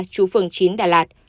chú phường chín đà lạt